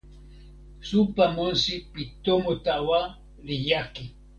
supa monsi pi tomo tawa li jaki.